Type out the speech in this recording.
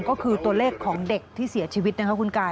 ก็คือตัวเลขของเด็กที่เสียชีวิตนะคะคุณกาย